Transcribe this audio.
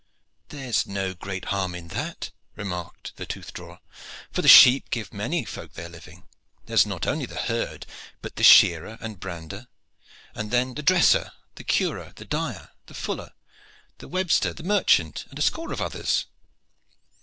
"There is no great harm in that," remarked the tooth drawer, "for the sheep give many folk their living. There is not only the herd, but the shearer and brander, and then the dresser, the curer, the dyer, the fuller, the webster, the merchant, and a score of others."